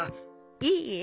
いいえ。